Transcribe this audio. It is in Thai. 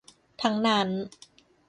ทั้งนั้น